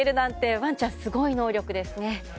ワンちゃん、すごい能力ですね。